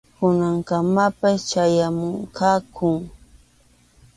Kunankamapas chayamuchkankum.